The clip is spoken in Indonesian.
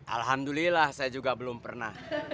alhamdulillah saya juga belum pernah